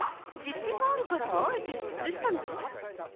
自信があるからあえて写したのか？